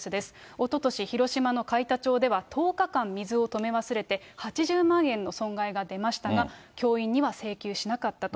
おととし、広島の海田町では、１０日間水を止め忘れて８０万円の損害が出ましたが、教員には請求しなかったと。